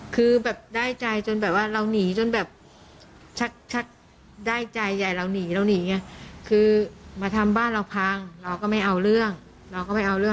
คือมาทำบ้านเราพังเราก็ไม่เอาเรื่องเราก็ไม่เอาเรื่อง